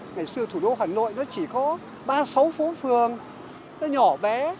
ngày xưa thủ đô hà nội nó chỉ có ba sáu phố phường nó nhỏ bé